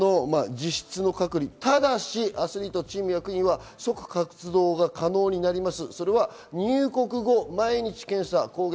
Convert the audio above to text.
３日間の実質隔離、ただしアスリート、チーム役員は即活動が可能になります。